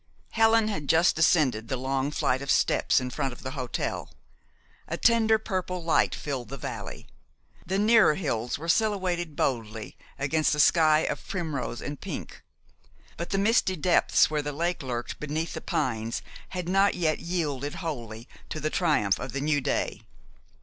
Helen had just descended the long flight of steps in front of the hotel. A tender purple light filled the valley. The nearer hills were silhouetted boldly against a sky of primrose and pink; but the misty depths where the lake lurked beneath the pines had not yet yielded wholly to the triumph of the new day.